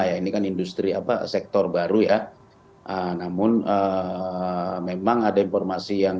ya ini kan industri apa sektor baru ya namun memang ada informasi yang